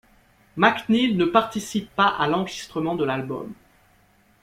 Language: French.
McNeal ne participe pas à l'enregistrement de l'album.